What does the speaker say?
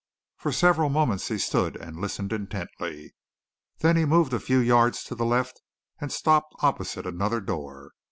For several moments he stood and listened intently. Then he moved a few yards to the left, and stopped opposite another door.